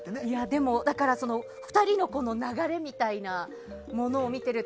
でも、だから２人の流れみたいなものを見ていると。